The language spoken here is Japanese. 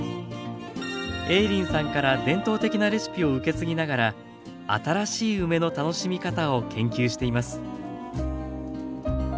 映林さんから伝統的なレシピを受け継ぎながら新しい梅の楽しみ方を研究しています。